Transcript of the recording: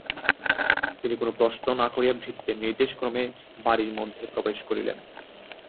তিনি কোনো প্রশ্ন না করিয়া ভৃত্যের নির্দেশক্রমে বাড়ির মধ্যে প্রবেশ করিলেন।